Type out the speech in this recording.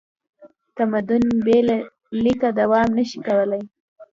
تمدن بې له لیکه دوام نه شي کولی.